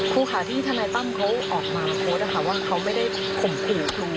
ครูค่ะที่ทนายตั้มเขาออกมาโพสต์นะคะว่าเขาไม่ได้ข่มขู่ครู